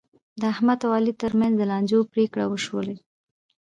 د احمد او علي ترمنځ د لانجو پرېکړې وشولې.